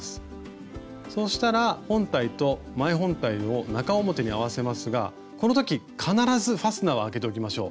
そうしたら本体と前本体を中表に合わせますがこの時必ずファスナーは開けておきましょう。